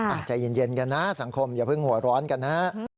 ใจเย็นกันนะสังคมอย่าเพิ่งหัวร้อนกันนะฮะ